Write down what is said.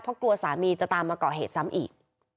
แล้วก็สามีจะตามมาเกาะเหตุซ้ำอีก